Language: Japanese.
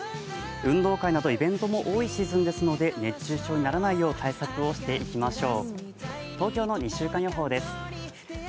運動会などイベントも多いシーズンですので熱中症にならないよう対策をしていきましょう。